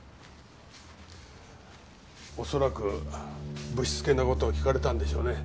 おそらく不躾な事を聞かれたんでしょうね。